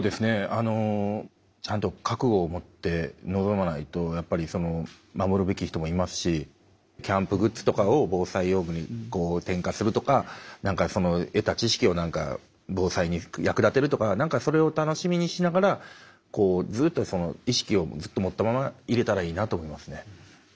あのちゃんと覚悟を持って臨まないと守るべき人もいますしキャンプグッズとかを防災用具に転化するとか得た知識を防災に役立てるとかそれを楽しみにしながらずっと意識を持ったままいれたらいいなと思いますね。